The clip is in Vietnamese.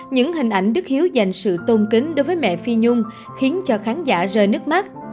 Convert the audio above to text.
những hình ảnh đức hiếu dành sự tôn kính đối với mẹ phi nhung khiến cho khán giả rơi nước mắt